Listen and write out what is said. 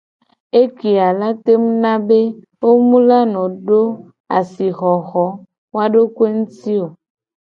Ekeya la tengu na be wo mu la no do asixoxo woa dokoe nguti o.